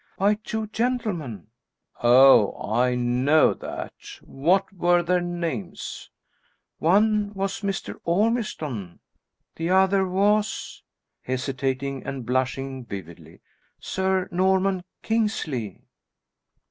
"By two gentlemen." "Oh, I know that; what were their names?" "One was Mr. Ormiston, the other was," hesitating and blushing vividly, "Sir Norman Kingsley."